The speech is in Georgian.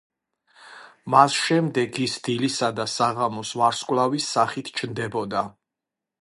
მას შემდეგ ის დილისა და საღამოს ვარსკვლავის სახით ჩნდებოდა.